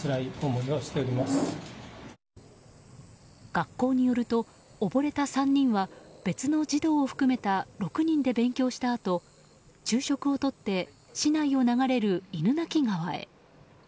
学校によると、溺れた３人は別の児童を含めた６人で勉強したあと昼食をとって市内を流れる犬鳴川へ。